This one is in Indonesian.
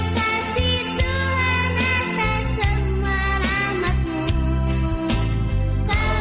kasihmu mama kasihmu tuhan